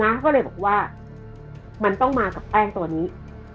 ก็เลยบอกว่ามันต้องมากับแป้งตัวนี้